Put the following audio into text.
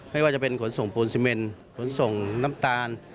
ไม่ว่าจะเป็นขนส่งปูนซีเมนขนส่งน้ำตาล